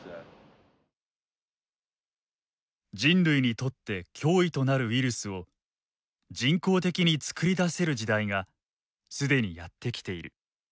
「人類にとって脅威となるウイルスを人工的に作り出せる時代が既にやって来ている」。